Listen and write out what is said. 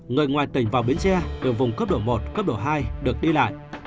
người ngoài tỉnh vào biến tre từ vùng cấp độ một cấp độ hai được đi lại